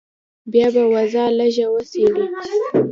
بيا به وضع لږه وڅېړې.